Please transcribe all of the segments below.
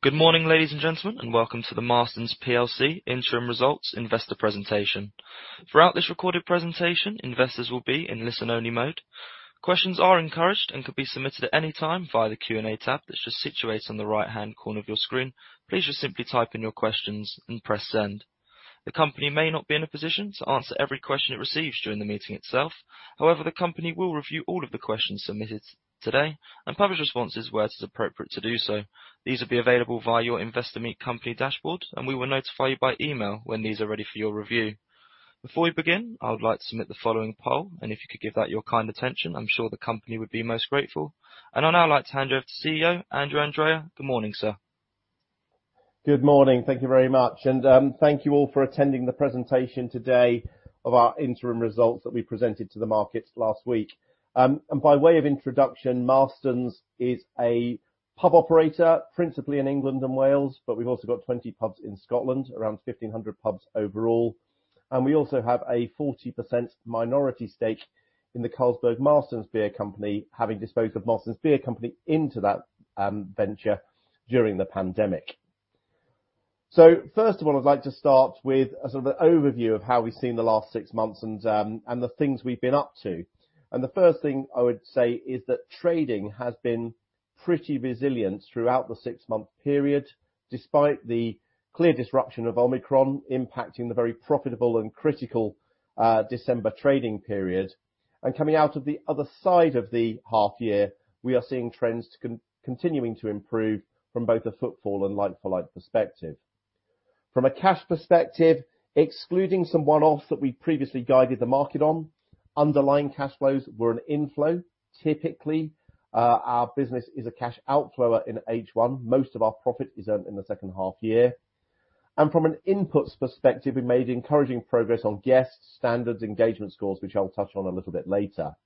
Good morning, ladies and gentlemen, and welcome to the Marston's PLC interim results investor presentation. Throughout this recorded presentation, investors will be in listen-only mode. Questions are encouraged and can be submitted at any time via the Q&A tab that's just situated on the right-hand corner of your screen. Please just simply type in your questions and press Send. The company may not be in a position to answer every question it receives during the meeting itself. However, the company will review all of the questions submitted today and publish responses where it is appropriate to do so. These will be available via your Investor Meet Company dashboard, and we will notify you by email when these are ready for your review. Before we begin, I would like to submit the following poll, and if you could give that your kind attention, I'm sure the company would be most grateful. I'd now like to hand you over to CEO Andrew Andrea. Good morning, sir. Good morning. Thank you very much. Thank you all for attending the presentation today of our interim results that we presented to the markets last week. By way of introduction, Marston's is a pub operator, principally in England and Wales, but we've also got 20 pubs in Scotland, around 1,500 pubs overall. We also have a 40% minority stake in the Carlsberg Marston's Brewing Company, having disposed of Marston's Beer Company into that venture during the pandemic. First of all, I'd like to start with a sort of overview of how we've seen the last six months and the things we've been up to. The first thing I would say is that trading has been pretty resilient throughout the six-month period, despite the clear disruption of Omicron impacting the very profitable and critical December trading period. Coming out of the other side of the half-year, we are seeing trends continuing to improve from both a footfall and like-for-like perspective. From a cash perspective, excluding some one-offs that we previously guided the market on, underlying cash flows were an inflow. Typically, our business is a cash outflow in H1. Most of our profit is earned in the second half year. From an output perspective, we made encouraging progress on guest standards, engagement scores, which I'll touch on a little bit later.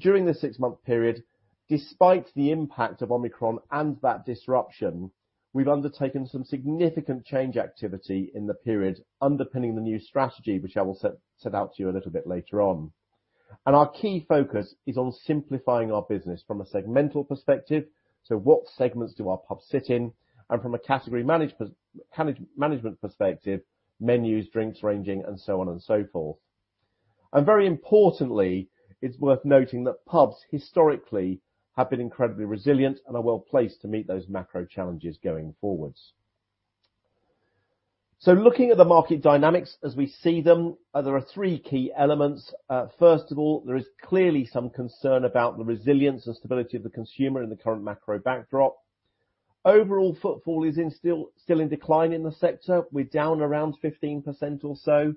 During this six-month period, despite the impact of Omicron and that disruption, we've undertaken some significant change activity in the period underpinning the new strategy, which I will set out to you a little bit later on. Our key focus is on simplifying our business from a segmental perspective. What segments do our pubs sit in? From a category management perspective, menus, drinks ranging, and so on and so forth. Very importantly, it's worth noting that pubs historically have been incredibly resilient and are well placed to meet those macro challenges going forwards. Looking at the market dynamics as we see them, there are three key elements. First of all, there is clearly some concern about the resilience and stability of the consumer in the current macro backdrop. Overall footfall is still in decline in the sector. We're down around 15% or so,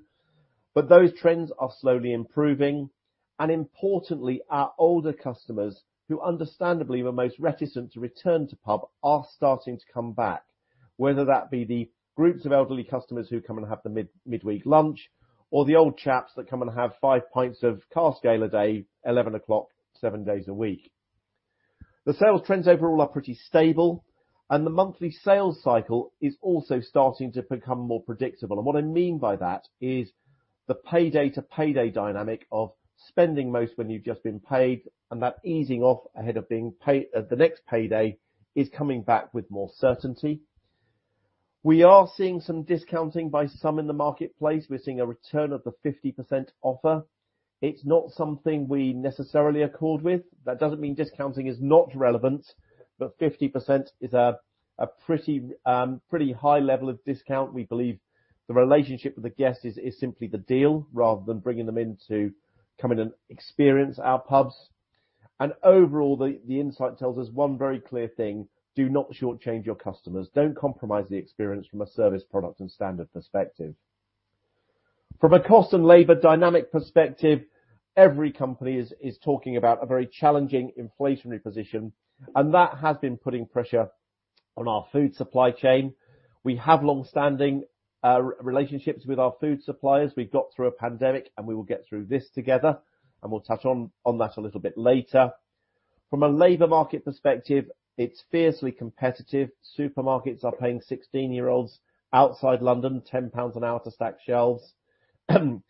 but those trends are slowly improving. Importantly, our older customers, who understandably were most reticent to return to pub, are starting to come back, whether that be the groups of elderly customers who come and have the midweek lunch or the old chaps that come and have five pints of cask ale a day, 11 o'clock, seven days a week. The sales trends overall are pretty stable, and the monthly sales cycle is also starting to become more predictable. What I mean by that is the payday-to-payday dynamic of spending most when you've just been paid, and that easing off ahead of being paid, the next payday is coming back with more certainty. We are seeing some discounting by some in the marketplace. We're seeing a return of the 50% offer. It's not something we necessarily accord with. That doesn't mean discounting is not relevant, but 50% is a pretty high level of discount. We believe the relationship with the guest is simply the deal rather than bringing them in to come in and experience our pubs. Overall, the insight tells us one very clear thing, do not shortchange your customers. Don't compromise the experience from a service, product, and standard perspective. From a cost and labor dynamic perspective, every company is talking about a very challenging inflationary position, and that has been putting pressure on our food supply chain. We have long-standing relationships with our food suppliers. We got through a pandemic, and we will get through this together, and we'll touch on that a little bit later. From a labor market perspective, it's fiercely competitive. Supermarkets are paying 16-year-olds outside London 10 pounds an hour to stack shelves, and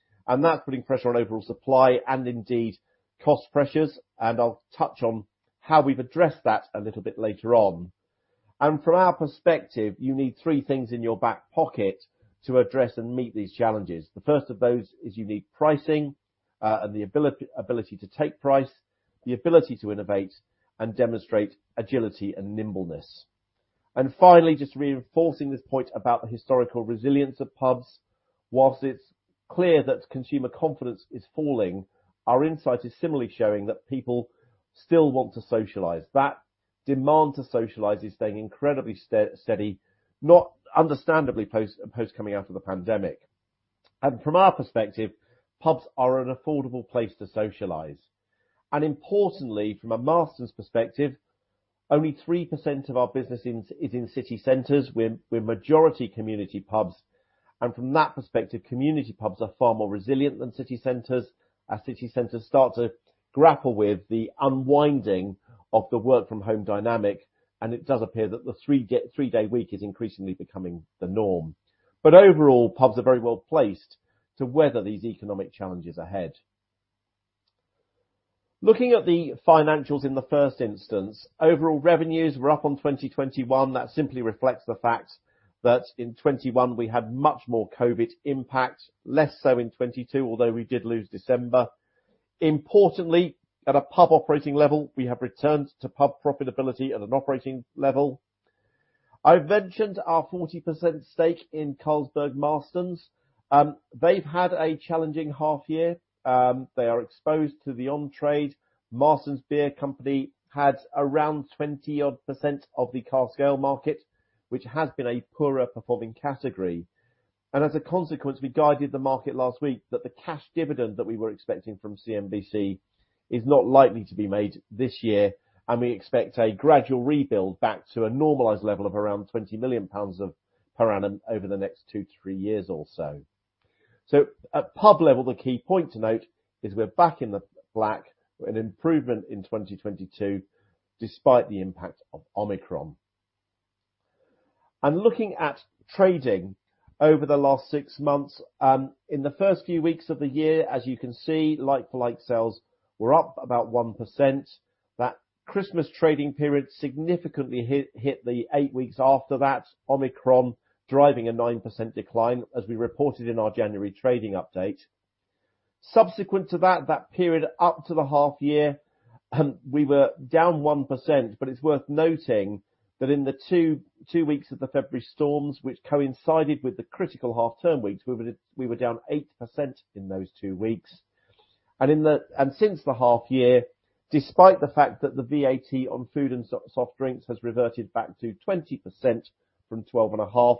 that's putting pressure on overall supply and indeed cost pressures. I'll touch on how we've addressed that a little bit later on. From our perspective, you need three things in your back pocket to address and meet these challenges. The first of those is you need pricing and the ability to take price, the ability to innovate and demonstrate agility and nimbleness. Finally, just reinforcing this point about the historical resilience of pubs. While it's clear that consumer confidence is falling, our insight is similarly showing that people still want to socialize. That demand to socialize is staying incredibly steady, understandably, post coming out of the pandemic. From our perspective, pubs are an affordable place to socialize. Importantly, from a Marston's perspective, only 3% of our business is in city centers with majority community pubs. From that perspective, community pubs are far more resilient than city centers. As city centers start to grapple with the unwinding of the work-from-home dynamic. It does appear that the three-day week is increasingly becoming the norm. Overall, pubs are very well placed to weather these economic challenges ahead. Looking at the financials in the first instance, overall revenues were up on 2021. That simply reflects the fact that in 2021 we had much more COVID impact, less so in 2022, although we did lose December. Importantly, at a pub operating level, we have returned to pub profitability at an operating level. I've mentioned our 40% stake in Carlsberg Marston's. They've had a challenging half-year. They are exposed to the on-trade. Marston's Beer Company had around 20-odd% of the Cask Ale market, which has been a poorer performing category. As a consequence, we guided the market last week that the cash dividend that we were expecting from CMBC is not likely to be made this year, and we expect a gradual rebuild back to a normalized level of around 20 million pounds per annum over the next 2-3 or so. At pub level, the key point to note is we're back in the black with an improvement in 2022 despite the impact of Omicron. Looking at trading over the last six months, in the first few weeks of the year, as you can see, like-for-like sales were up about 1%. That Christmas trading period significantly hit the eight weeks after that. Omicron driving a 9% decline, as we reported in our January trading update. Subsequent to that period up to the half year, we were down 1%. It's worth noting that in the two weeks of the February storms, which coincided with the critical half-term weeks, we were down 8% in those two weeks. Since the half year, despite the fact that the VAT on food and soft drinks has reverted back to 20% from 12.5,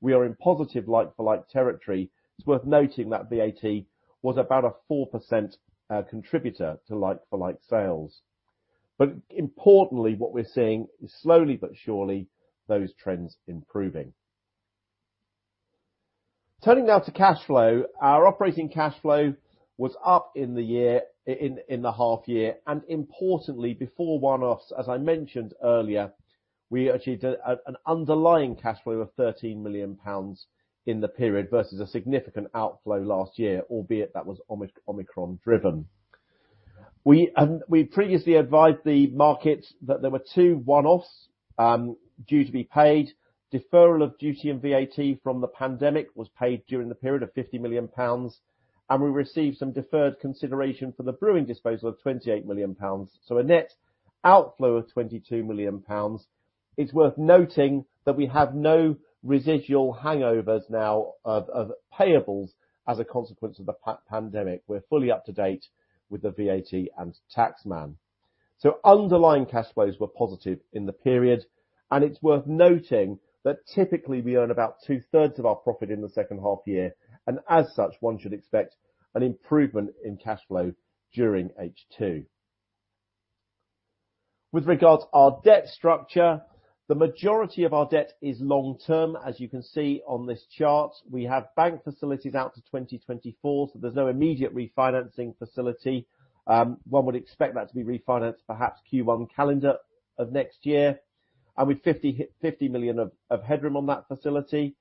we are in positive like-for-like territory. It's worth noting that VAT was about a 4% contributor to like-for-like sales. Importantly, what we're seeing is slowly but surely those trends improving. Turning now to cash flow. Our operating cash flow was up in the half-year. Importantly, before one-offs, as I mentioned earlier, we achieved an underlying cash flow of 13 million pounds in the period versus a significant outflow last year, albeit that was Omicron-driven. We previously advised the market that there were two one-offs due to be paid. Deferral of duty and VAT from the pandemic was paid during the period of 50 million pounds, and we received some deferred consideration for the brewing disposal of 28 million pounds. A net outflow of 22 million pounds. It's worth noting that we have no residual hangovers now of payables as a consequence of the pandemic. We're fully up to date with the VAT and tax man. Underlying cash flows were positive in the period, and it's worth noting that typically we earn about 2/3 of our profit in the second half year, and as such, one should expect an improvement in cash flow during H2. With regards to our debt structure, the majority of our debt is long-term. As you can see on this chart, we have bank facilities out to 2024. There's no immediate refinancing facility. One would expect that to be refinanced perhaps Q1 calendar of next year. With 50 million of headroom on that facility.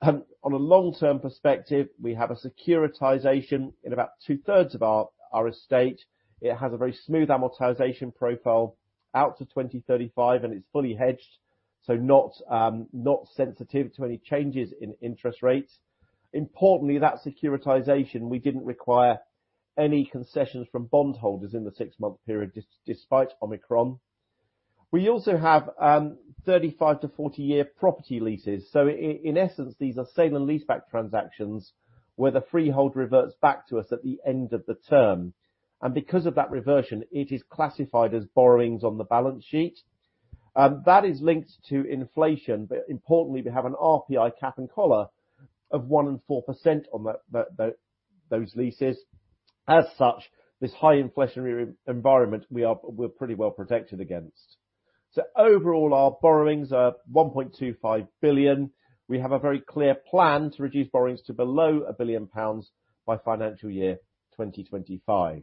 On a long-term perspective, we have a securitization in about 2/3 of our estate. It has a very smooth amortization profile out to 2035, and it's fully hedged, so not sensitive to any changes in interest rates. Importantly, that securitization, we didn't require any concessions from bondholders in the six-month period, despite Omicron. We also have 35- to 40-year property leases. In essence, these are sale and leaseback transactions, where the freehold reverts back to us at the end of the term. Because of that reversion, it is classified as borrowings on the balance sheet. That is linked to inflation, but importantly, we have an RPI cap and collar of 1% and 4% on those leases. As such, this high inflationary environment we're pretty well protected against. Overall, our borrowings are 1.25 billion. We have a very clear plan to reduce borrowings to below 1 billion pounds by financial year 2025.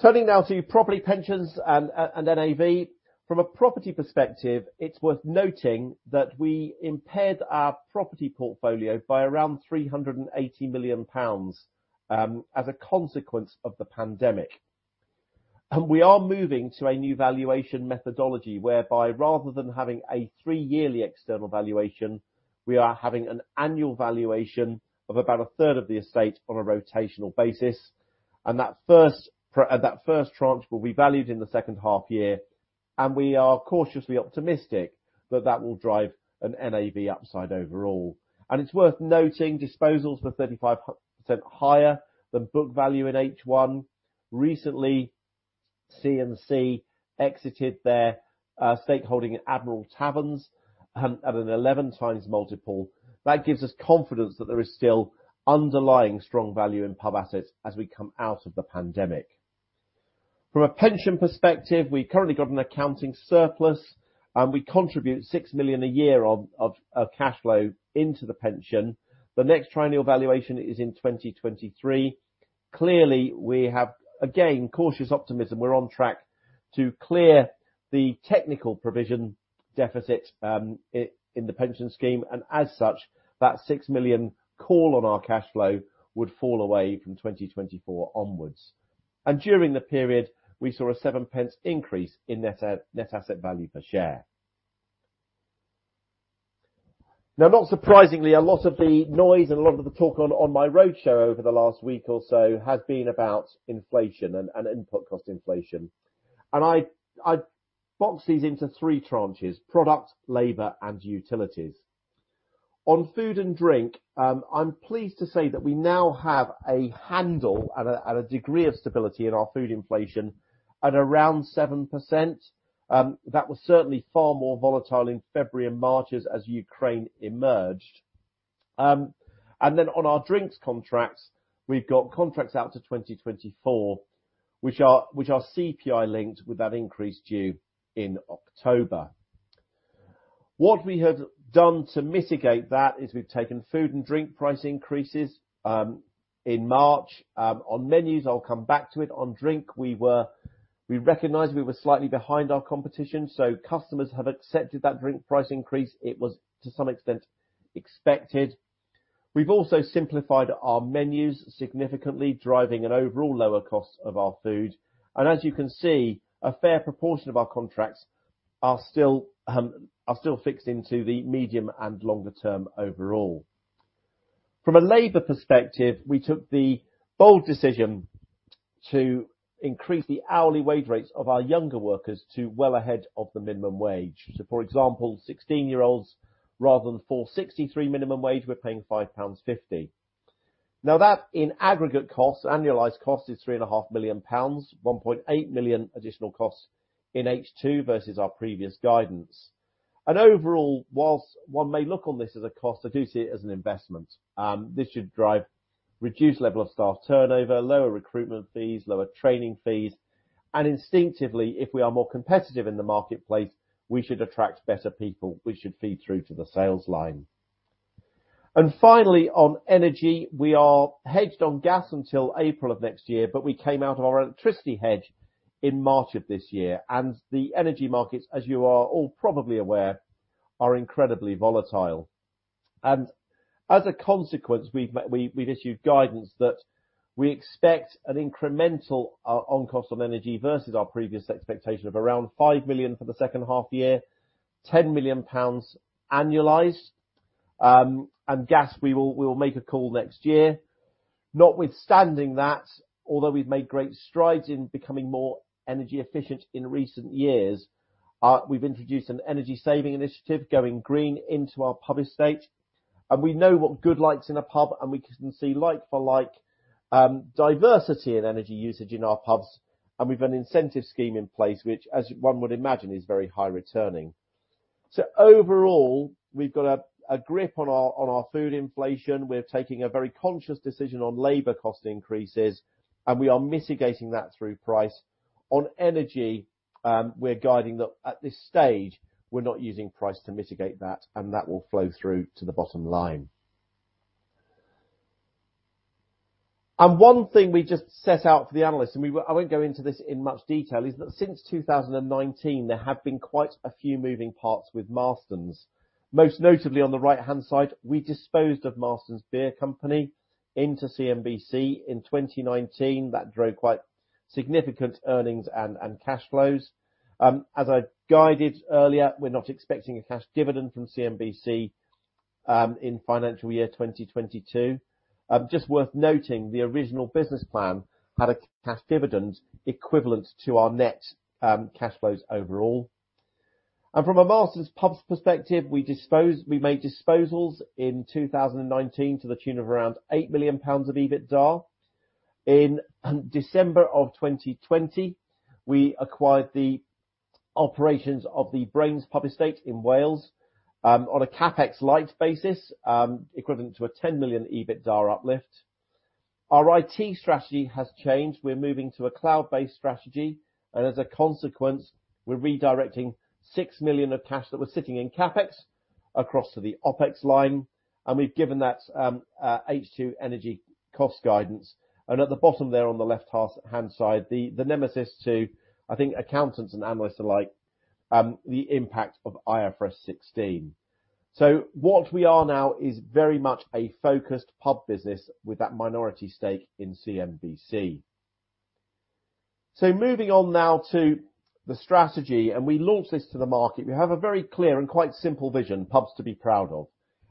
Turning now to property, pensions, and NAV. From a property perspective, it's worth noting that we impaired our property portfolio by around 380 million pounds as a consequence of the pandemic. We are moving to a new valuation methodology whereby rather than having a three-yearly external valuation, we are having an annual valuation of about a third of the estate on a rotational basis, and that first tranche will be valued in the second half year, and we are cautiously optimistic that that will drive an NAV upside overall. It's worth noting, disposals were 35% higher than book value in H1. Recently, C&C exited their stakeholding in Admiral Taverns at an 11x multiple. That gives us confidence that there is still underlying strong value in pub assets as we come out of the pandemic. From a pension perspective, we've currently got an accounting surplus. We contribute 6 million a year of cash flow into the pension. The next triennial valuation is in 2023. Clearly, we have, again, cautious optimism. We're on track to clear the technical provision deficit in the pension scheme, and as such, that 6 million call on our cash flow would fall away from 2024 onwards. During the period, we saw a 0.07 Increase in net asset value per share. Now, not surprisingly, a lot of the noise and a lot of the talk on my roadshow over the last week or so has been about inflation and input cost inflation. I box these into three tranches, product, labor, and utilities. On food and drink, I'm pleased to say that we now have a handle and a degree of stability in our food inflation at around 7%, that was certainly far more volatile in February and March as Ukraine emerged. On our drinks contracts, we've got contracts out to 2024, which are CPI-linked with that increase due in October. What we have done to mitigate that is we've taken food and drink price increases in March. On menus, I'll come back to it. On drink, we recognized we were slightly behind our competition, so customers have accepted that drink price increase. It was, to some extent, expected. We've also simplified our menus significantly, driving an overall lower cost of our food. As you can see, a fair proportion of our contracts are still fixed into the medium and longer term overall. From a labor perspective, we took the bold decision to increase the hourly wage rates of our younger workers to well ahead of the minimum wage. For example, 16-year-olds, rather than 4.63 minimum wage, we're paying 5.50 pounds. Now that in aggregate cost, annualized cost is 3.5 million pounds, 1.8 million additional costs in H2 versus our previous guidance. Overall, while one may look on this as a cost, I do see it as an investment. This should drive reduced level of staff turnover, lower recruitment fees, lower training fees, and instinctively, if we are more competitive in the marketplace, we should attract better people, which should feed through to the sales line. Finally, on energy, we are hedged on gas until April of next year, but we came out of our electricity hedge in March of this year. The energy markets, as you are all probably aware, are incredibly volatile. As a consequence, we've issued guidance that we expect an incremental cost on energy versus our previous expectation of around 5 million for the second half year, 10 million pounds annualized, and gas, we will make a call next year. Notwithstanding that, although we've made great strides in becoming more energy efficient in recent years, we've introduced an energy saving initiative, Going Green, into our pub estate, and we know what good lights in a pub and we can see like-for-like diversity in energy usage in our pubs. We've an incentive scheme in place, which as one would imagine, is very highreturning. Overall, we've got a grip on our food inflation. We're taking a very conscious decision on labor cost increases, and we are mitigating that through price. On energy, we're guiding that at this stage, we're not using price to mitigate that, and that will flow through to the bottom line. One thing we just set out for the analysts, and I won't go into this in much detail, is that since 2019, there have been quite a few moving parts with Marston's. Most notably on the right-hand side, we disposed of Marston's Beer Company into CMBC in 2019. That drove quite significant earnings and cash flows. As I guided earlier, we're not expecting a cash dividend from CMBC in financial year 2022. Just worth noting, the original business plan had a cash dividend equivalent to our net cash flows overall. From a Marston's pubs perspective, we made disposals in 2019 to the tune of around 8 million pounds of EBITDA. In December of 2020, we acquired the operations of the Brains pub estate in Wales on a CapEx light basis, equivalent to a 10 million EBITDA uplift. Our IT strategy has changed. We're moving to a cloud-based strategy, and as a consequence, we're redirecting 6 million of cash that was sitting in CapEx across to the OpEx line, and we've given that H2 energy cost guidance. At the bottom there on the left-hand side, the nemesis to, I think, accountants and analysts alike, the impact of IFRS 16. What we are now is very much a focused pub business with that minority stake in CMBC. Moving on now to the strategy, and we launched this to the market. We have a very clear and quite simple vision, pubs to be proud of.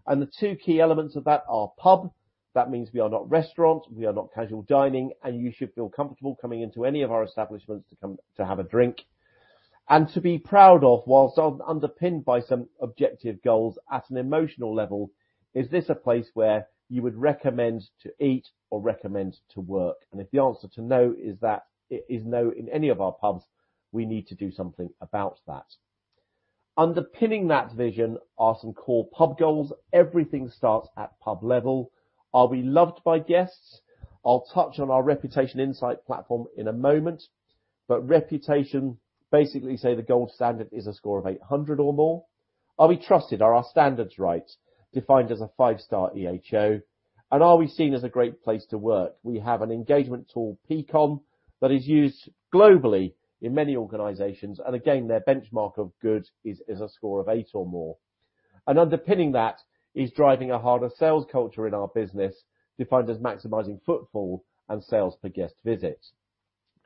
The two key elements of that are pub. That means we are not restaurants, we are not casual dining, and you should feel comfortable coming into any of our establishments to have a drink. To be proud of, whilst underpinned by some objective goals at an emotional level, is this a place where you would recommend to eat or recommend to work? If the answer to no is that it is no in any of our pubs, we need to do something about that. Underpinning that vision are some core pub goals. Everything starts at pub level. Are we loved by guests? I'll touch on our Reputation Insight platform in a moment, but Reputation basically says the gold standard is a score of 800 or more. Are we trusted? Are our standards right? Defined as a five-star EHO. Are we seen as a great place to work? We have an engagement tool, Peakon, that is used globally in many organizations. Again, their benchmark of good is a score of eight or more. Underpinning that is driving a harder sales culture in our business, defined as maximizing footfall and sales per guest visit.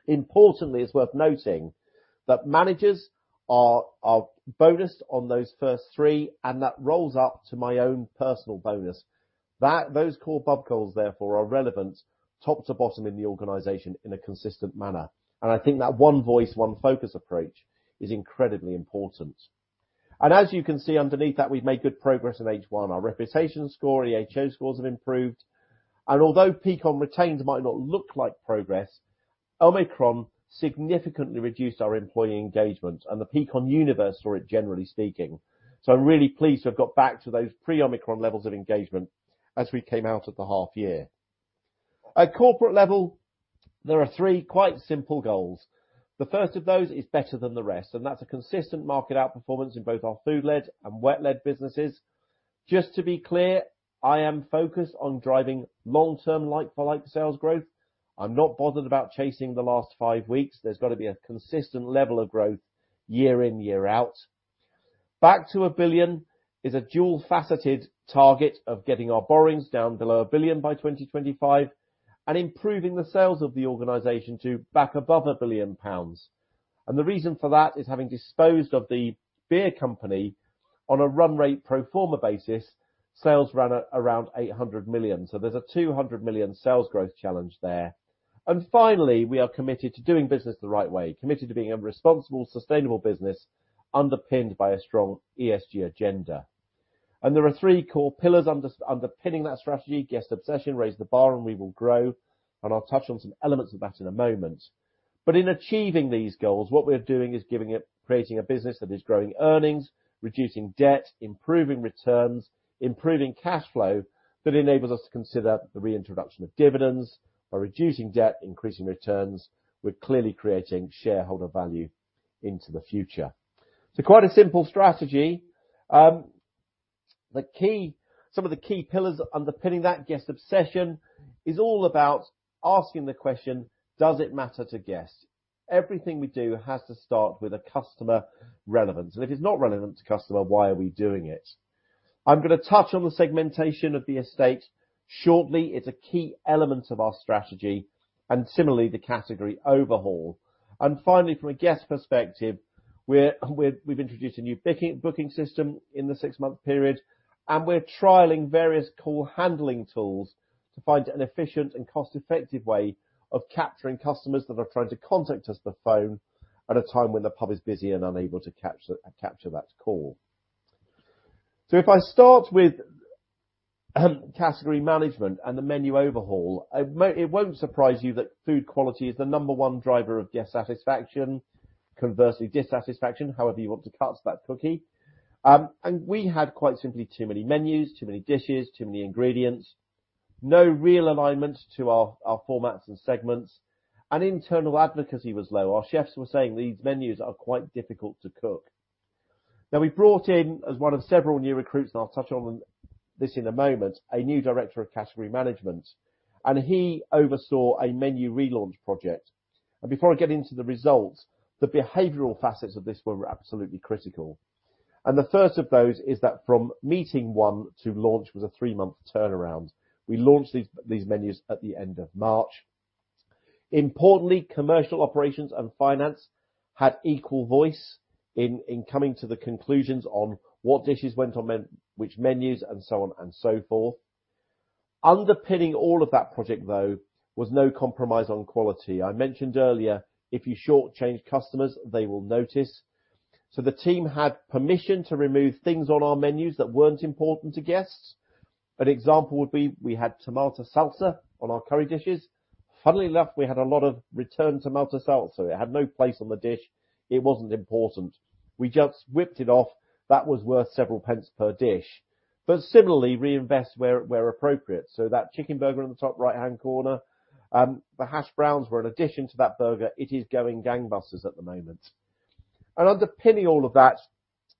Importantly, it's worth noting that managers are bonused on those first three, and that rolls up to my own personal bonus. Those core pub goals, therefore, are relevant top to bottom in the organization in a consistent manner. I think that one voice, one focus approach is incredibly important. As you can see underneath that, we've made good progress in H1. Our Reputation score, EHO scores have improved. Although Peakon retention might not look like progress, Omicron significantly reduced our employee engagement and the Peakon universe where generally speaking. I'm really pleased to have got back to those pre-Omicron levels of engagement as we came out of the half-year. At corporate level, there are three quite simple goals. The first of those is better than the rest, and that's a consistent market outperformance in both our food-led and wet-led businesses. Just to be clear, I am focused on driving long-term like-for-like sales growth. I'm not bothered about chasing the last five weeks. There's got to be a consistent level of growth year in, year out. Back to a billion is a dual-faceted target of getting our borrowings down below 1 billion by 2025 and improving the sales of the organization to back above 1 billion pounds. The reason for that is having disposed of the beer company on a run-rate pro forma basis, sales ran at around 800 million. There's a 200 million sales growth challenge there. Finally, we are committed to doing business the right way, committed to being a responsible, sustainable business underpinned by a strong ESG agenda. There are three core pillars underpinning that strategy: guest obsession, raise the bar, and we will grow. I'll touch on some elements of that in a moment. In achieving these goals, what we're doing is creating a business that is growing earnings, reducing debt, improving returns, improving cash flow that enables us to consider the reintroduction of dividends. By reducing debt, increasing returns, we're clearly creating shareholder value into the future. Quite a simple strategy. Some of the key pillars underpinning that guest obsession is all about asking the question, does it matter to guests? Everything we do has to start with a customer relevance. If it's not relevant to customer, why are we doing it? I'm gonna touch on the segmentation of the estate. Shortly, it's a key element of our strategy and similarly, the category overhaul. Finally, from a guest perspective, we've introduced a new booking system in the six-month period, and we're trialing various call handling tools to find an efficient and cost-effective way of capturing customers that are trying to contact us by phone at a time when the pub is busy and unable to capture that call. If I start with category management and the menu overhaul, it won't surprise you that food quality is the number one driver of guest satisfaction, conversely, dissatisfaction, however you want to cut that cookie. We had quite simply too many menus, too many dishes, too many ingredients, no real alignment to our formats and segments. Internal advocacy was low. Our chefs were saying these menus are quite difficult to cook. Now we brought in as one of several new recruits, and I'll touch on this in a moment, a new director of category management, and he oversaw a menu relaunch project. Before I get into the results, the behavioral facets of this were absolutely critical. The first of those is that from meeting one to launch was a three-month turnaround. We launched these menus at the end of March. Importantly, commercial operations and finance had equal voice in coming to the conclusions on what dishes went on which menus and so on and so forth. Underpinning all of that project, though, was no compromise on quality. I mentioned earlier, if you shortchange customers, they will notice. The team had permission to remove things on our menus that weren't important to guests. An example would be we had tomato salsa on our curry dishes. Funnily enough, we had a lot of returned tomato salsa. It had no place on the dish. It wasn't important. We just whipped it off. That was worth several pence per dish. Similarly, reinvest where appropriate. That chicken burger in the top right-hand corner, the hash browns were an addition to that burger. It is going gangbusters at the moment. Underpinning all of that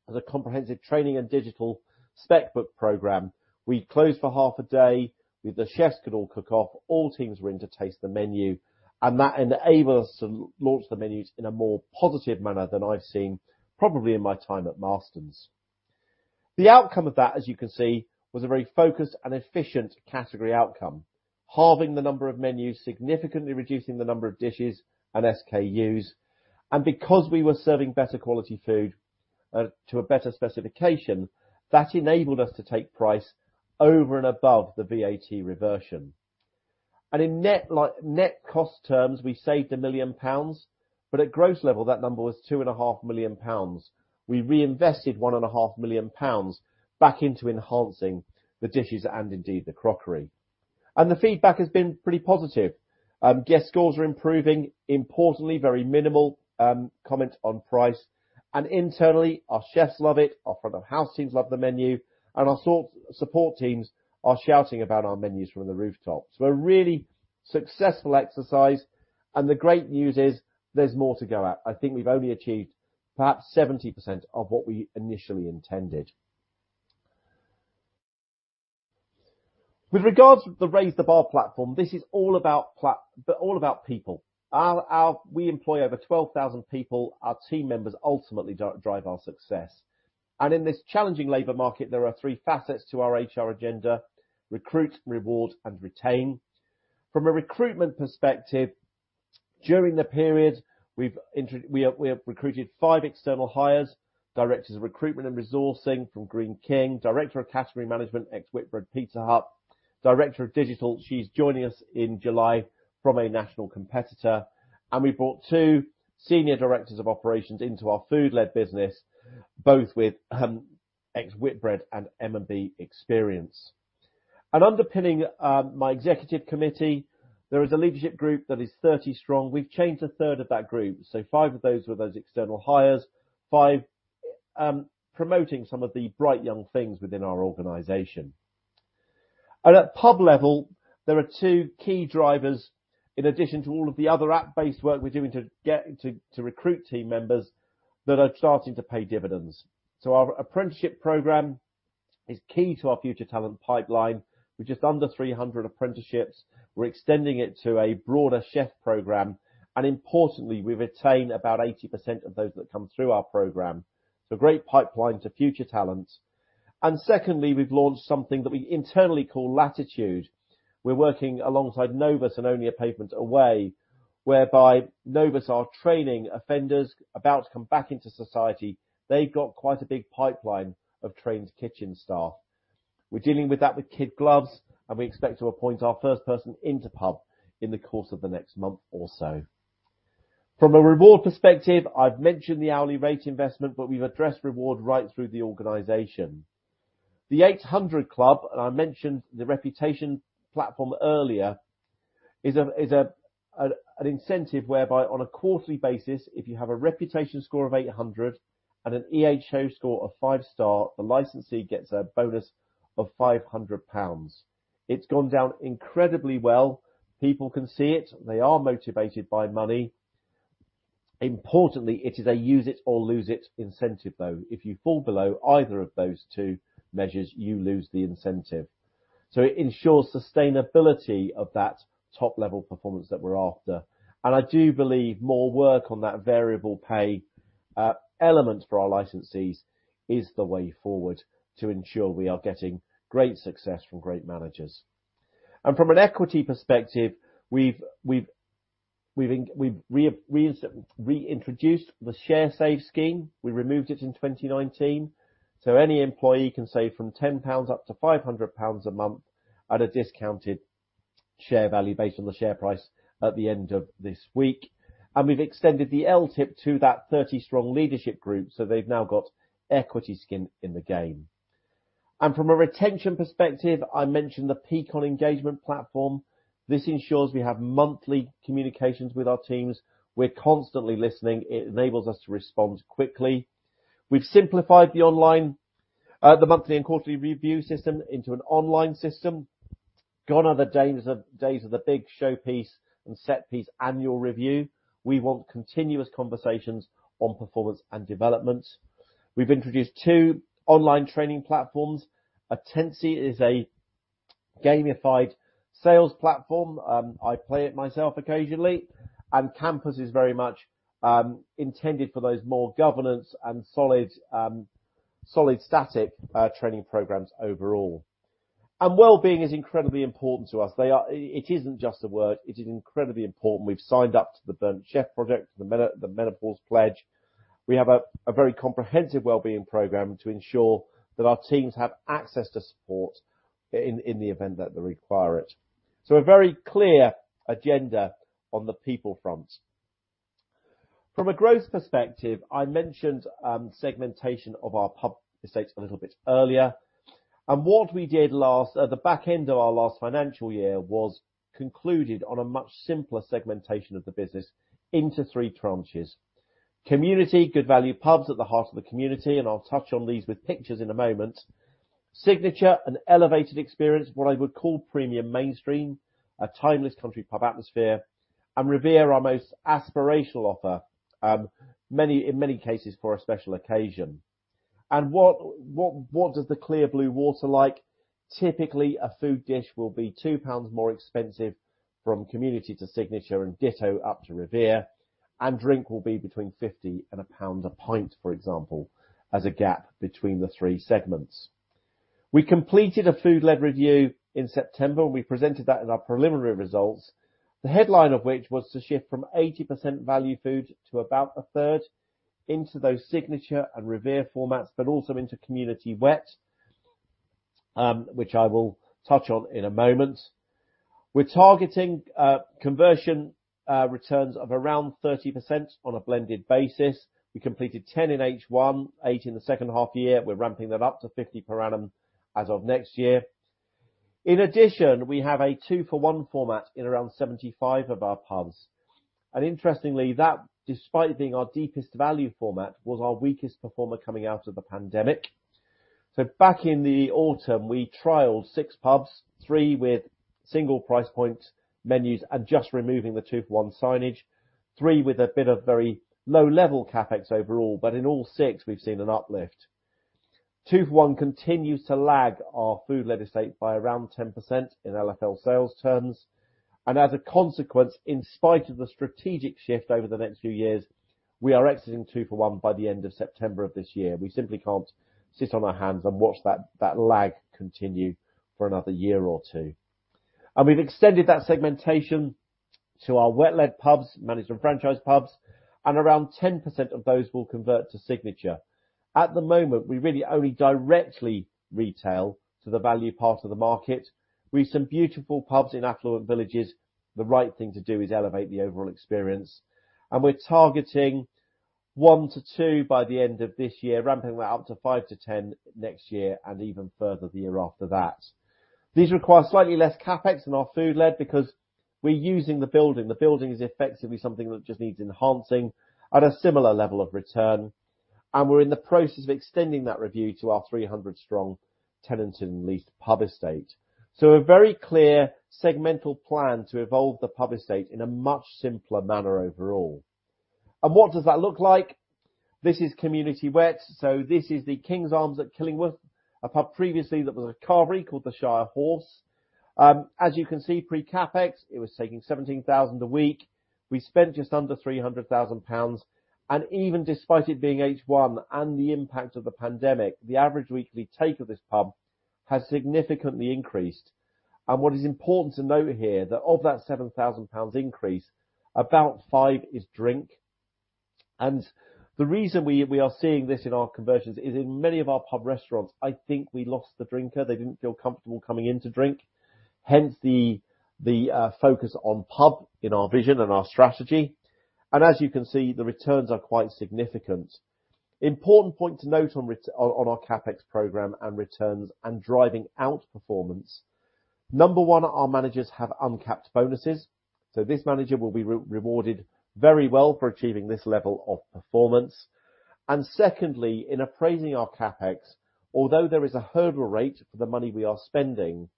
is a comprehensive training and digital spec book program. We closed for half a day, with the chefs could all cook off, all teams were in to taste the menu, and that enabled us to launch the menus in a more positive manner than I've seen probably in my time at Marston's. The outcome of that, as you can see, was a very focused and efficient category outcome, halving the number of menus, significantly reducing the number of dishes and SKUs. Because we were serving better quality food to a better specification, that enabled us to take price over and above the VAT reversion. In net, like, net cost terms, we saved 1 million pounds, but at gross level, that number was 2.5 million pounds. We reinvested 1.5 million pounds back into enhancing the dishes and indeed the crockery. The feedback has been pretty positive. Guest scores are improving. Importantly, very minimal comment on price, and internally, our chefs love it, our front of house teams love the menu, and our support teams are shouting about our menus from the rooftops. A really successful exercise, and the great news is there's more to go at. I think we've only achieved perhaps 70% of what we initially intended. With regards to the Raise the Bar platform, this is all about people. We employ over 12,000 people. Our team members ultimately drive our success. In this challenging labor market, there are three facets to our HR agenda: recruit, reward, and retain. From a recruitment perspective, during the period we have recruited five external hires, directors of recruitment and resourcing from Greene King, Director of Category Management, ex-Whitbread Pizza Hut, Director of Digital, she's joining us in July from a national competitor, and we brought two Senior Directors of Operations into our food-led business, both with ex-Whitbread and M&B experience. Underpinning my executive committee, there is a leadership group that is 30 strong. We've changed a third of that group. Five of those were external hires, five promoting some of the bright young things within our organization. At pub level, there are two key drivers in addition to all of the other app-based work we're doing to recruit team members that are starting to pay dividends. Our apprenticeship program is key to our future talent pipeline. We're just under 300 apprenticeships. We're extending it to a broader chef program. Importantly, we retain about 80% of those that come through our program. Great pipeline to future talent. Secondly, we've launched something that we internally call Latitude. We're working alongside Novus and Only A Pavement Away, whereby Novus are training offenders about to come back into society. They've got quite a big pipeline of trained kitchen staff. We're dealing with that with kid gloves, and we expect to appoint our first person into pub in the course of the next month or so. From a reward perspective, I've mentioned the hourly rate investment, but we've addressed reward right through the organization. The 800 Club, and I mentioned the Reputation platform earlier, is an incentive whereby on a quarterly basis, if you have a Reputation score of 800 and an EHO score of five-star, the licensee gets a bonus of 500 pounds. It's gone down incredibly well. People can see it. They are motivated by money. Importantly, it is a use it or lose it incentive, though. If you fall below either of those two measures, you lose the incentive. It ensures sustainability of that top-level performance that we're after. I do believe more work on that variable pay element for our licensees is the way forward to ensure we are getting great success from great managers. From an equity perspective, we've reintroduced the share save scheme. We removed it in 2019. Any employee can save from 10 pounds up to 500 pounds a month at a discounted share value based on the share price at the end of this week. We've extended the LTIP to that 30-strong leadership group, so they've now got equity skin in the game. From a retention perspective, I mentioned the Peakon engagement platform. This ensures we have monthly communications with our teams. We're constantly listening. It enables us to respond quickly. We've simplified the online monthly and quarterly review system into an online system. Gone are the days of the big showpiece and set-piece annual review. We want continuous conversations on performance and development. We've introduced two online training platforms. Attensi is a gamified sales platform. I play it myself occasionally, and Campus is very much intended for those more governance and solid static training programs overall. Well-being is incredibly important to us. It isn't just a word, it is incredibly important. We've signed up to the Burnt Chef Project, the Menopause Pledge. We have a very comprehensive well-being program to ensure that our teams have access to support in the event that they require it. A very clear agenda on the people front. From a growth perspective, I mentioned segmentation of our pub estates a little bit earlier. What we did last, at the back end of our last financial year, was concluded on a much simpler segmentation of the business into three tranches. Community, good value pubs at the heart of the community, and I'll touch on these with pictures in a moment. Signature, an elevated experience, what I would call premium mainstream, a timeless country pub atmosphere. Revere, our most aspirational offer, many, in many cases for a special occasion. What does the clear blue water look like? Typically, a food dish will be 2 pounds more expensive from Community to Signature and ditto up to Revere. Drink will be between 50 and GBP 1 a pint, for example, as a gap between the three segments. We completed a food-led review in September. We presented that in our preliminary results, the headline of which was to shift from 80% value food to about a third into those Signature and Revere formats, but also into Community Wet, which I will touch on in a moment. We're targeting conversion returns of around 30% on a blended basis. We completed 10 in H1, eight in the second half year. We're ramping that up to 50 per annum as of next year. In addition, we have a two-for-one format in around 75 of our pubs. Interestingly, that, despite being our deepest value format, was our weakest performer coming out of the pandemic. Back in the autumn, we trialed six pubs, three with single price point menus and just removing the two-for-one signage, three with a bit of very low-level CapEx overall. In all six, we've seen an uplift. Two-for-one continues to lag our food-led estate by around 10% in LFL sales terms. As a consequence, in spite of the strategic shift over the next few years, we are exiting two-for-one by the end of September of this year. We simply can't sit on our hands and watch that lag continue for another year or two. We've extended that segmentation to our wet-led pubs, managed and franchised pubs, and around 10% of those will convert to Signature. At the moment, we really only directly retail to the value part of the market. We've some beautiful pubs in affluent villages. The right thing to do is elevate the overall experience. We're targeting 1-2 by the end of this year, ramping that up to 5-10 next year and even further the year after that. These require slightly less CapEx than our food led because we're using the building. The building is effectively something that just needs enhancing at a similar level of return. We're in the process of extending that review to our 300-strong tenant and leased pub estate. A very clear segmental plan to evolve the pub estate in a much simpler manner overall. What does that look like? This is community wet. This is the King's Arms at Killingworth, a pub previously that was a carvery called The Shire Horse. As you can see, pre-CapEx, it was taking 17,000 a week. We spent just under 300,000 pounds. Even despite it being H1 and the impact of the pandemic, the average weekly take of this pub has significantly increased. What is important to note here, that of that 7,000 pounds increase, about 5,000 is drink. The reason we are seeing this in our conversions is in many of our pub restaurants, I think we lost the drinker. They didn't feel comfortable coming in to drink, hence the focus on pub in our vision and our strategy. As you can see, the returns are quite significant. Important point to note on our CapEx program, and returns, and driving out performance. Number one, our managers have uncapped bonuses, so this manager will be rewarded very well for achieving this level of performance. Secondly, in appraising our CapEx, although there is a hurdle rate for the money we are spending,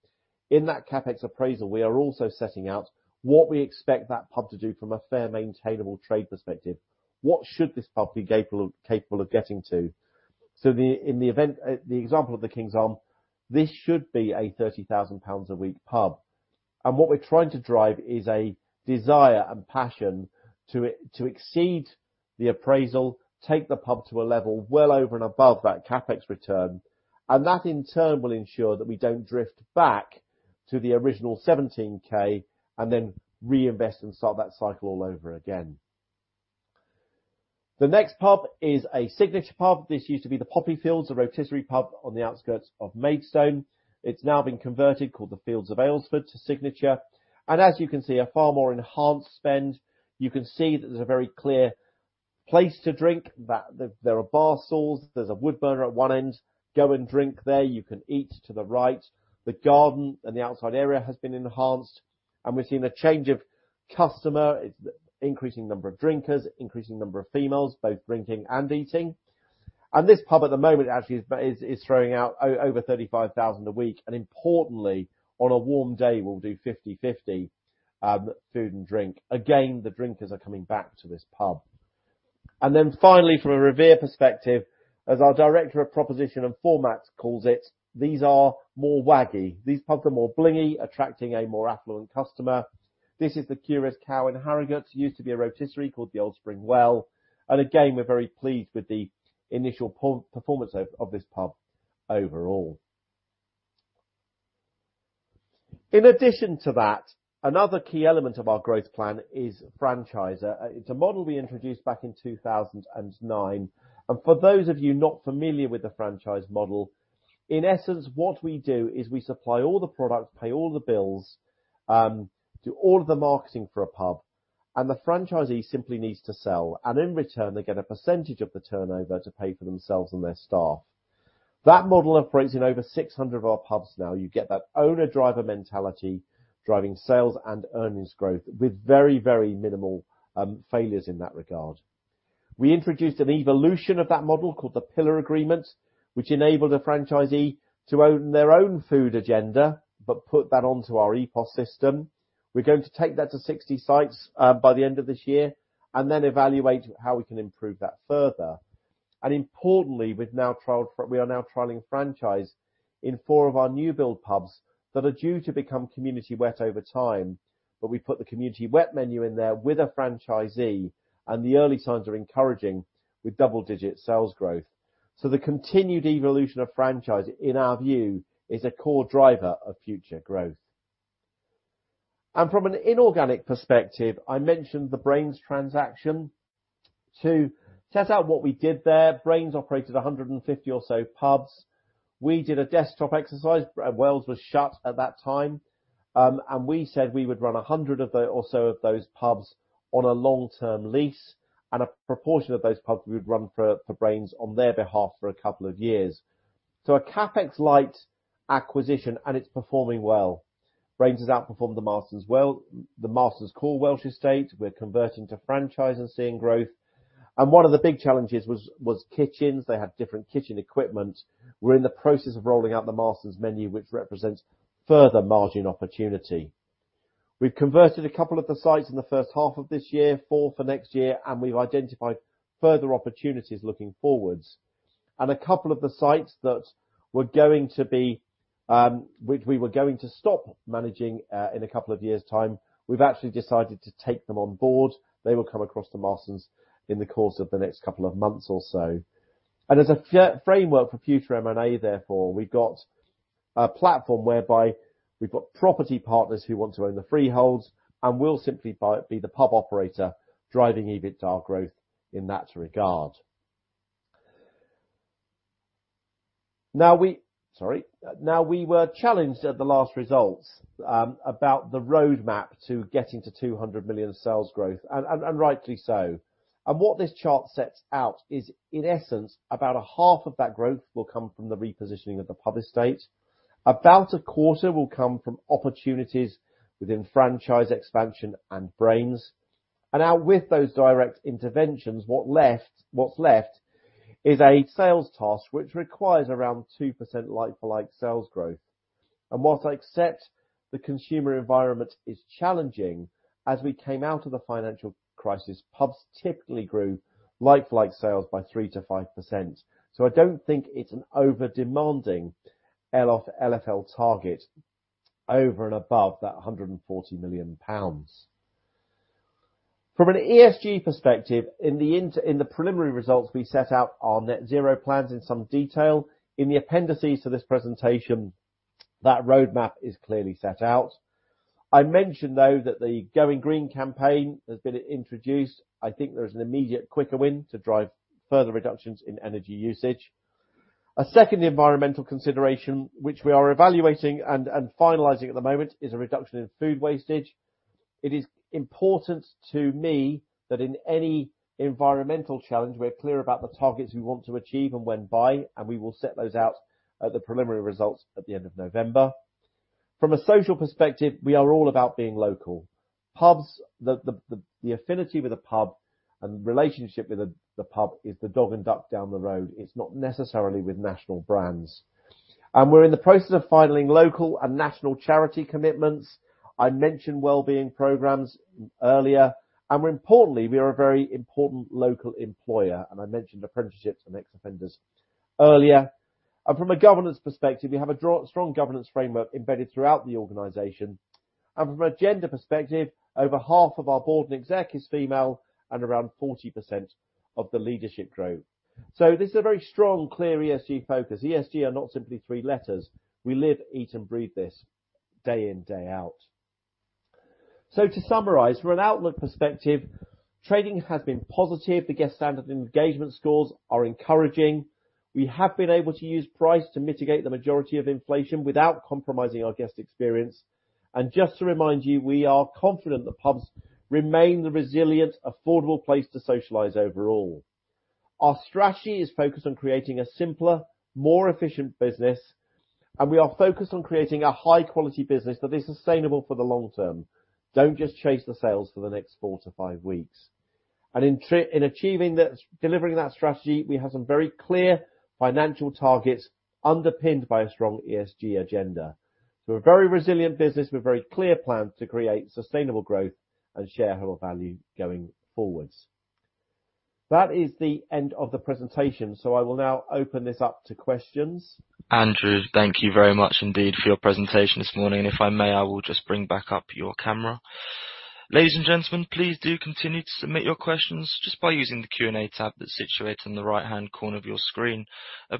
in that CapEx appraisal, we are also setting out what we expect that pub to do from a fair, maintainable trade perspective. What should this pub be capable of, capable of getting to? The example of the King's Arm, this should be a 30,000 pounds a week pub. What we're trying to drive is a desire and passion to exceed the appraisal, take the pub to a level well over and above that CapEx return, and that in turn will ensure that we don't drift back to the original 17,000 and then reinvest and start that cycle all over again. The next pub is a Signature pub. This used to be the Poppy Fields, a rotisserie pub on the outskirts of Maidstone. It's now been converted, called The Fields at Aylesford, to Signature, and as you can see, a far more enhanced spend. You can see that there's a very clear place to drink. There are barstools. There's a wood burner at one end. Go and drink there. You can eat to the right. The garden and the outside area has been enhanced, and we've seen a change of customer. It's increasing number of drinkers, increasing number of females, both drinking and eating. This pub at the moment actually is throwing out over 35,000 a week, and importantly, on a warm day, we'll do 50/50 food and drink. The drinkers are coming back to this pub. Finally, from a Revere perspective, as our director of proposition and formats calls it, these are more wacky. These pubs are more blingy, attracting a more affluent customer. This is the Curious Cow in Harrogate. Used to be a rotisserie called The Old Spring Well. We're very pleased with the initial performance of this pub overall. In addition to that, another key element of our growth plan is franchising. It's a model we introduced back in 2009. For those of you not familiar with the franchise model, in essence, what we do is we supply all the products, pay all the bills, do all of the marketing for a pub, and the franchisee simply needs to sell. In return, they get a percentage of the turnover to pay for themselves and their staff. That model operates in over 600 of our pubs now. You get that owner-driver mentality driving sales and earnings growth with very, very minimal failures in that regard. We introduced an evolution of that model called the Pillar Agreement, which enabled a franchisee to own their own food agenda but put that onto our EPOS system. We're going to take that to 60 sites by the end of this year and then evaluate how we can improve that further. Importantly, we are now trialing franchise in four of our new build pubs that are due to become Community wet over time. We put the Community wet menu in there with a franchisee, and the early signs are encouraging with double-digit sales growth. The continued evolution of franchise, in our view, is a core driver of future growth. From an inorganic perspective, I mentioned the Brains transaction. To set out what we did there, Brains operated 150 or so pubs. We did a desktop exercise. Wells was shut at that time, and we said we would run 100 or so of those pubs on a long-term lease, and a proportion of those pubs we would run for Brains on their behalf for a couple of years. So a CapEx-light acquisition, and it's performing well. Brains has outperformed the Marston's well. The Marston's core Welsh estate, we're converting to franchise and seeing growth. One of the big challenges was kitchens. They had different kitchen equipment. We're in the process of rolling out the Marston's menu, which represents further margin opportunity. We've converted a couple of the sites in the first half of this year, four for next year, and we've identified further opportunities looking forward. A couple of the sites that were going to be, which we were going to stop managing in a couple of years' time, we've actually decided to take them on board. They will come across to Marston's in the course of the next couple of months or so. As a framework for future M&A, therefore, we've got a platform whereby we've got property partners who want to own the freeholds, and we'll simply be the pub operator driving EBITDA growth in that regard. We were challenged at the last results about the roadmap to getting to 200 million sales growth, and rightly so. What this chart sets out is, in essence, about a half of that growth will come from the repositioning of the pub estate. About a quarter will come from opportunities within franchise expansion and Brains. Now, with those direct interventions, what's left is a sales task which requires around 2% like-for-like sales growth. While I accept the consumer environment is challenging, as we came out of the financial crisis, pubs typically grew like-for-like sales by 3%-5%. I don't think it's an overly demanding LFL target over and above that 140 million pounds. From an ESG perspective, in the preliminary results, we set out our net zero plans in some detail. In the appendices to this presentation, that roadmap is clearly set out. I mentioned, though, that the Going Green campaign has been introduced. I think there is an immediate, quicker win to drive further reductions in energy usage. A second environmental consideration, which we are evaluating and finalizing at the moment, is a reduction in food wastage. It is important to me that in any environmental challenge, we're clear about the targets we want to achieve and when by, and we will set those out at the preliminary results at the end of November. From a social perspective, we are all about being local. Pubs, the affinity with the pub and relationship with the pub is the Dog and Duck down the road. It's not necessarily with national brands. We're in the process of fulfilling local and national charity commitments. I mentioned well-being programs earlier. More importantly, we are a very important local employer, and I mentioned apprenticeships and ex-offenders earlier. From a governance perspective, we have a strong governance framework embedded throughout the organization. From a gender perspective, over half of our board and exec is female, and around 40% of the leadership group. This is a very strong, clear ESG focus. ESG are not simply three letters. We live, eat, and breathe this day in, day out. To summarize, from an outlook perspective, trading has been positive. The guest standard and engagement scores are encouraging. We have been able to use price to mitigate the majority of inflation without compromising our guest experience. Just to remind you, we are confident that pubs remain the resilient, affordable place to socialize overall. Our strategy is focused on creating a simpler, more efficient business, and we are focused on creating a high quality business that is sustainable for the long term. Don't just chase the sales for the next 4-5 weeks. In achieving that, delivering that strategy, we have some very clear financial targets underpinned by a strong ESG agenda. A very resilient business with very clear plan to create sustainable growth and shareholder value going forward. That is the end of the presentation, so I will now open this up to questions. Andrew, thank you very much indeed for your presentation this morning. If I may, I will just bring back up your camera. Ladies and gentlemen, please do continue to submit your questions just by using the Q&A tab that's situated in the right-hand corner of your screen.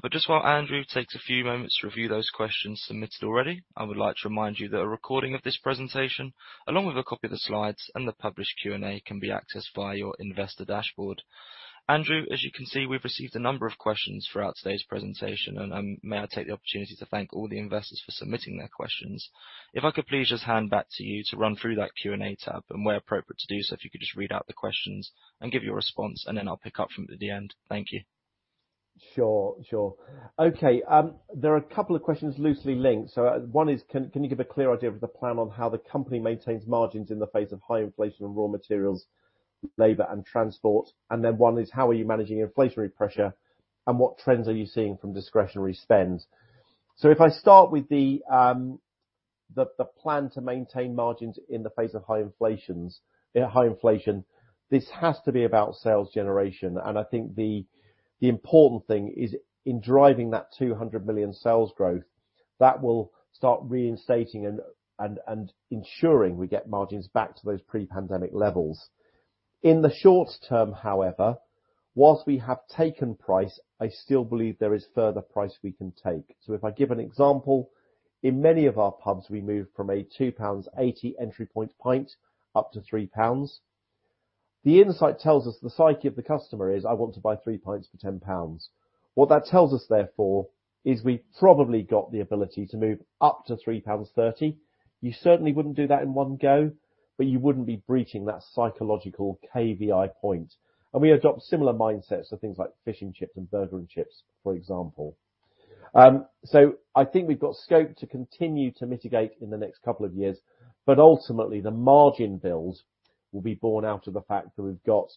Just while Andrew takes a few moments to review those questions submitted already, I would like to remind you that a recording of this presentation, along with a copy of the slides and the published Q&A, can be accessed via your investor dashboard. Andrew, as you can see, we've received a number of questions throughout today's presentation. May I take the opportunity to thank all the investors for submitting their questions. If I could please just hand back to you to run through that Q&A tab and where appropriate to do so, if you could just read out the questions and give your response, and then I'll pick up from the end. Thank you. Sure. Okay, there are a couple of questions loosely linked. One is, "Can you give a clear idea of the plan on how the company maintains margins in the face of high inflation of raw materials, labor, and transport?" Then one is, "How are you managing inflationary pressure, and what trends are you seeing from discretionary spend?" If I start with the plan to maintain margins in the face of high inflation, this has to be about sales generation. I think the important thing is in driving that 200 million sales growth, that will start reinstating and ensuring we get margins back to those pre-pandemic levels. In the short term, however, while we have taken price, I still believe there is further price we can take. If I give an example. In many of our pubs, we moved from a 2.80 pounds entry point pint up to 3 pounds. The insight tells us the psyche of the customer is, "I want to buy 3 pints for 10 pounds." What that tells us, therefore, is we probably got the ability to move up to 3.30 pounds. You certainly wouldn't do that in one go, but you wouldn't be breaching that psychological KVI point. We adopt similar mindsets to things like fish and chips and burger and chips, for example. I think we've got scope to continue to mitigate in the next couple of years, but ultimately the margin builds will be borne out of the fact that we've got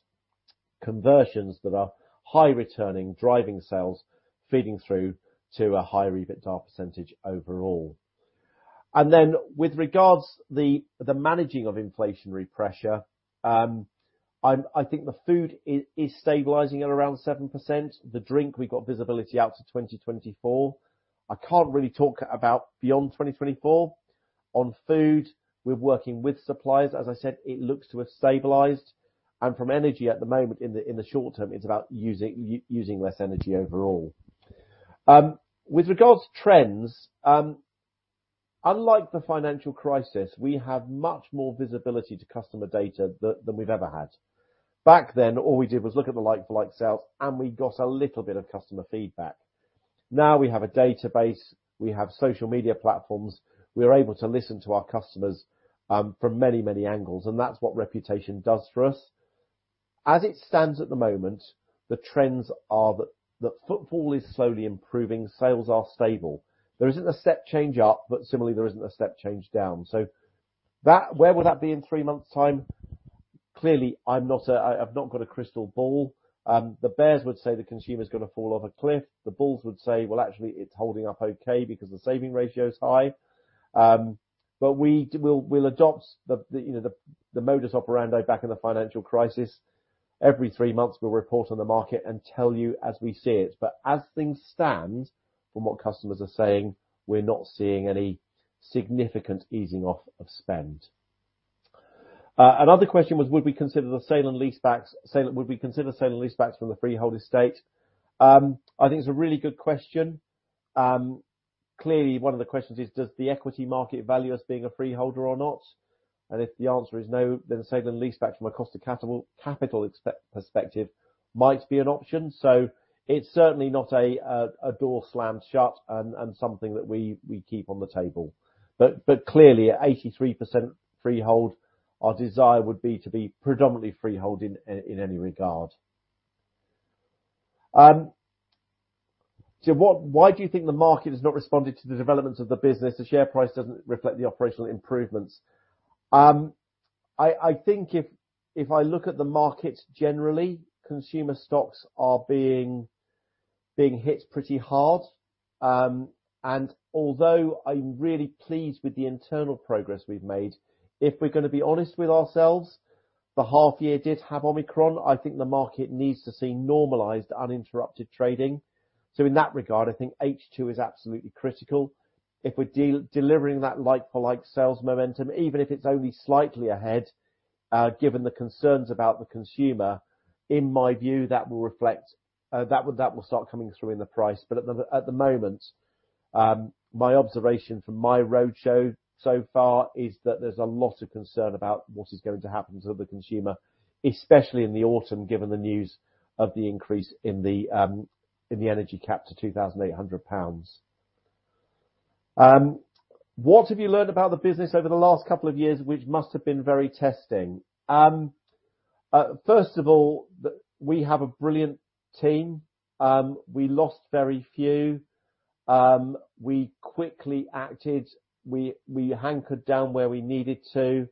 conversions that are high-returning, driving sales, feeding through to a higher EBITDA percentage overall. With regards to the managing of inflationary pressure, I think the food is stabilizing at around 7%. The drink, we've got visibility out to 2024. I can't really talk about beyond 2024. On food, we're working with suppliers. As I said, it looks to have stabilized, and from energy at the moment in the short term, it's about using less energy overall. With regards to trends, unlike the financial crisis, we have much more visibility to customer data than we've ever had. Back then, all we did was look at the like-for-like sales, and we got a little bit of customer feedback. Now we have a database, we have social media platforms. We are able to listen to our customers from many, many angles, and that's what Reputation does for us. As it stands at the moment, the trends are that footfall is slowly improving, sales are stable. There isn't a step change up, but similarly, there isn't a step change down. That. Where will that be in three months' time? Clearly, I've not got a crystal ball. The bears would say the consumer's gonna fall off a cliff. The bulls would say, "Well, actually, it's holding up okay because the saving ratio is high." We'll adopt, you know, the modus operandi back in the financial crisis. Every three months, we'll report on the market and tell you as we see it. As things stand from what customers are saying, we're not seeing any significant easing off of spend. Another question was, would we consider the sale and leasebacks? Would we consider sale and leasebacks from the freehold estate? I think it's a really good question. Clearly, one of the questions is, does the equity market value us being a freeholder or not? If the answer is no, then sale and leaseback from a cost of capital expenditure perspective might be an option. It's certainly not a door slammed shut and something that we keep on the table. Clearly, at 83% freehold, our desire would be to be predominantly freehold in any regard. Why do you think the market has not responded to the developments of the business? The share price doesn't reflect the operational improvements. I think if I look at the market generally, consumer stocks are being hit pretty hard. Although I'm really pleased with the internal progress we've made, if we're gonna be honest with ourselves, the half year did have Omicron. I think the market needs to see normalized, uninterrupted trading. In that regard, I think H2 is absolutely critical. If we're delivering that like-for-like sales momentum, even if it's only slightly ahead, given the concerns about the consumer, in my view, that will start coming through in the price. At the moment, my observation from my roadshow so far is that there's a lot of concern about what is going to happen to the consumer, especially in the autumn, given the news of the increase in the energy cap to 2,800 pounds. What have you learned about the business over the last couple of years, which must have been very testing? First of all, we have a brilliant team. We lost very few. We quickly acted. We hunkered down where we needed to.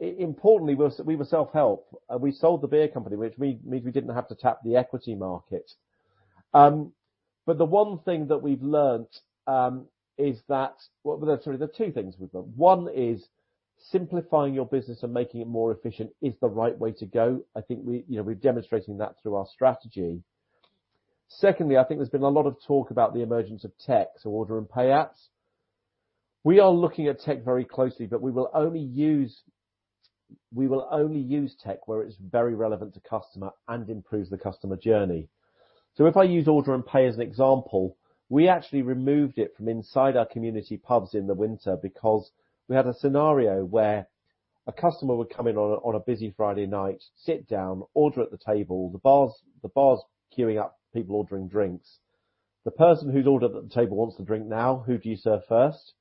Importantly, we were self-help. We sold the beer company, which means we didn't have to tap the equity market. The one thing that we've learned is that there are two things we've learned. One is simplifying your business and making it more efficient is the right way to go. I think we, you know, we're demonstrating that through our strategy. Secondly, I think there's been a lot of talk about the emergence of tech, so order and pay apps. We are looking at tech very closely, but we will only use tech where it's very relevant to customer and improves the customer journey. If I use order and pay as an example, we actually removed it from inside our community pubs in the winter because we had a scenario where a customer would come in on a busy Friday night, sit down, order at the table, the bar's queuing up, people ordering drinks. The person who's ordered at the table wants to drink now, who do you serve first?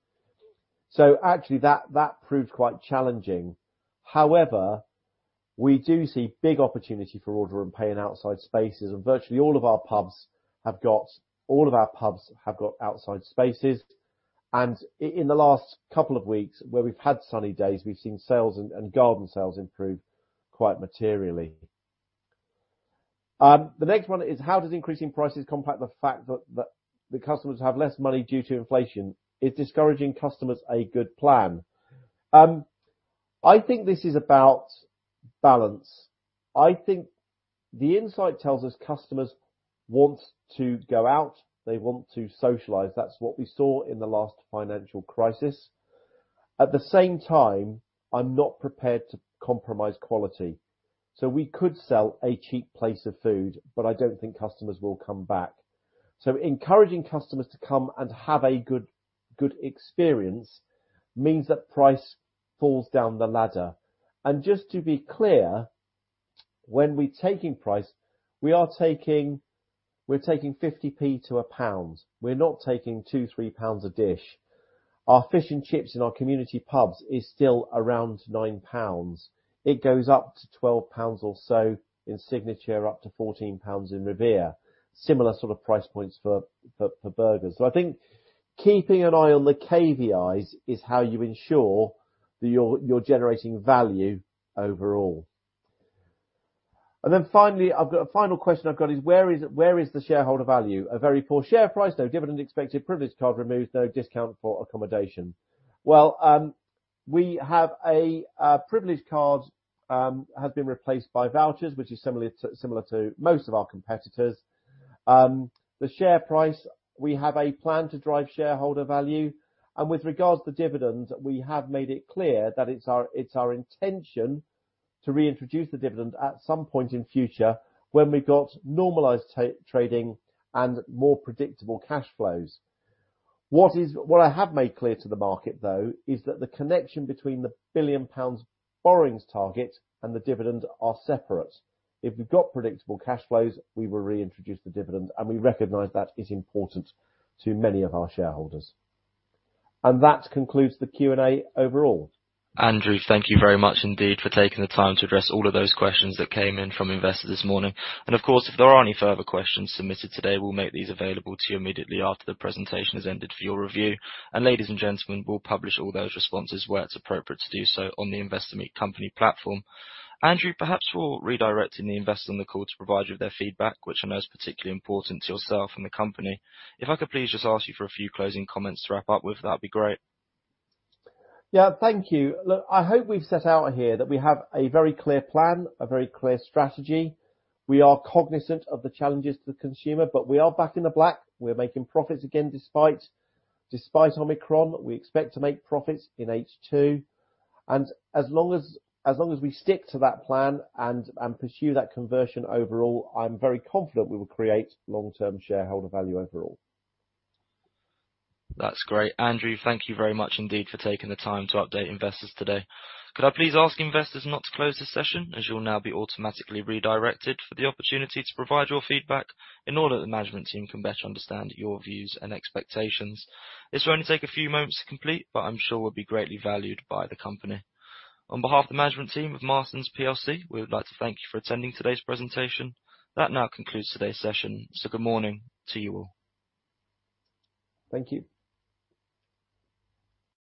Actually, that proved quite challenging. However, we do see big opportunity for order and pay in outside spaces, and virtually all of our pubs have got outside spaces. In the last couple of weeks where we've had sunny days, we've seen sales and garden sales improve quite materially. The next one is, how does increasing prices combat the fact that the customers have less money due to inflation? Is discouraging customers a good plan? I think this is about balance. I think the insight tells us customers want to go out. They want to socialize. That's what we saw in the last financial crisis. At the same time, I'm not prepared to compromise quality. We could sell a cheap plate of food, but I don't think customers will come back. Encouraging customers to come and have a good experience means that price falls down the ladder. Just to be clear, when we're taking price, we're taking GBP 0.50-GBP 1. We're not taking 2-3 pounds a dish. Our fish and chips in our Community pubs is still around 9 pounds. It goes up to 12 pounds or so in Signature, up to 14 pounds in Revere. Similar sort of price points for burgers. I think keeping an eye on the KVIs is how you ensure that you're generating value overall. I've got a final question: Where is the shareholder value? A very poor share price, no dividend expected, privilege card removed, no discount for accommodation. The privilege card has been replaced by vouchers, which is similar to most of our competitors. The share price, we have a plan to drive shareholder value. With regards to dividends, we have made it clear that it's our intention to reintroduce the dividend at some point in future when we've got normalized trading and more predictable cash flows. What I have made clear to the market, though, is that the connection between the 1 billion pounds borrowings target and the dividends are separate. If we've got predictable cash flows, we will reintroduce the dividends, and we recognize that is important to many of our shareholders. That concludes the Q&A overall. Andrew, thank you very much indeed for taking the time to address all of those questions that came in from investors this morning. Of course, if there are any further questions submitted today, we'll make these available to you immediately after the presentation has ended for your review. Ladies and gentlemen, we'll publish all those responses where it's appropriate to do so on the Investor Meet Company platform. Andrew, perhaps before redirecting the investors on the call to provide you with their feedback, which I know is particularly important to yourself and the company, if I could please just ask you for a few closing comments to wrap up with, that'd be great. Yeah, thank you. Look, I hope we've set out here that we have a very clear plan, a very clear strategy. We are cognizant of the challenges to the consumer, but we are back in the black. We're making profits again despite Omicron. We expect to make profits in H2. As long as we stick to that plan and pursue that conversion overall, I'm very confident we will create long-term shareholder value overall. That's great. Andrew, thank you very much indeed for taking the time to update investors today. Could I please ask investors not to close this session, as you'll now be automatically redirected for the opportunity to provide your feedback in order that the management team can better understand your views and expectations. This will only take a few moments to complete, but I'm sure will be greatly valued by the company. On behalf of the management team of Marston's PLC, we would like to thank you for attending today's presentation. That now concludes today's session, so good morning to you all. Thank you.